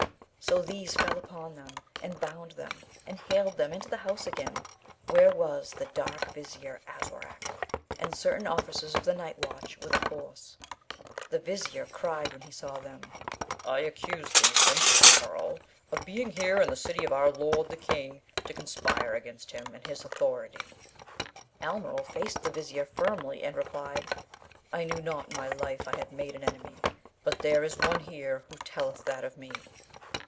So these fell upon them, and bound them, and haled them into the house again, where was the dark Vizier Aswarak, and certain officers of the night watch with a force. The Vizier cried when he saw them, 'I accuse thee, Prince Almeryl, of being here in the city of our lord the King, to conspire against him and his authority.' Almeryl faced the Vizier firmly, and replied, 'I knew not in my life I had made an enemy; but there is one here who telleth that of me.'